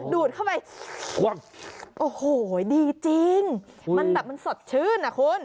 ดูดเข้าไปโอ้โหดีจริงมันแบบมันสดชื่นอ่ะคุณ